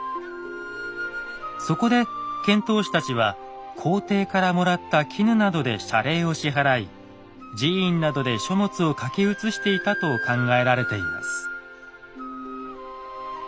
そこで遣唐使たちは皇帝からもらった絹などで謝礼を支払い寺院などで書物を書き写していたと考えられています。